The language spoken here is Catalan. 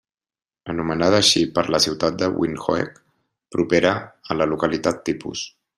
Anomenada així per la ciutat de Windhoek, propera a la localitat tipus.